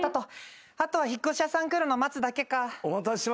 後は引っ越し屋さん来るの待つだけか。